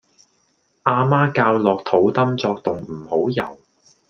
阿媽教落肚 Dum 作動唔好游